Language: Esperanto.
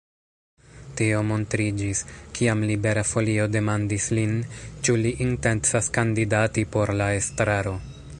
Tio montriĝis, kiam Libera Folio demandis lin, ĉu li intencas kandidati por la estraro.